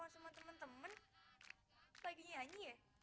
sejak rumah ini kosong